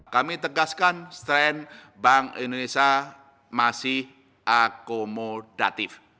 kami tegaskan strain bank indonesia masih akomodatif